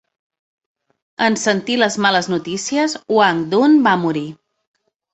En sentir les males notícies, Wang Dun va morir.